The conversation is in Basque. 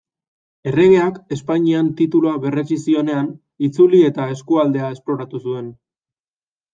Erregeak Espainian titulua berretsi zionean, itzuli eta eskualdea esploratu zuen.